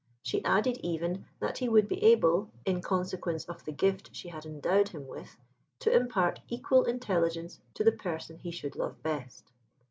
She added, even, that he would be able, in consequence of the gift she had endowed him with, to impart equal intelligence to the person he should love best.